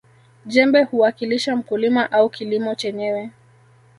jembe huwakilisha mkulima au kilimo chenyewe